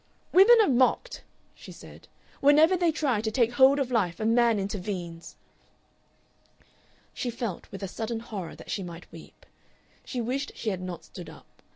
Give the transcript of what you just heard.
"Women are mocked," she said. "Whenever they try to take hold of life a man intervenes." She felt, with a sudden horror, that she might weep. She wished she had not stood up.